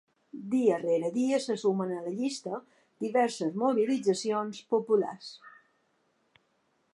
Dia rere dia se sumen a la llista diverses mobilitzacions populars.